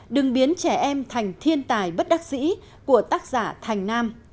đừng biến trẻ em thành thiên tài bất đắc dĩ của tác giả thành nam